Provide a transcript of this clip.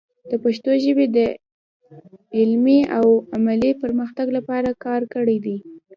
د پښتو ژبې د علمي او عملي پرمختګ لپاره کار کړی دی.